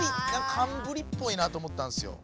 寒ブリっぽいなと思ったんすよ。